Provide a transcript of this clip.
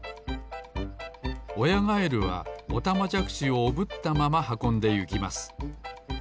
おやガエルはオタマジャクシをおぶったままはこんでゆきます。